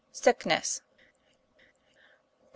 SICKNESS. DR.